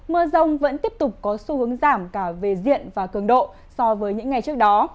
mưa rông vẫn tiếp tục có xu hướng giảm cả về diện và cường độ so với những ngày trước đó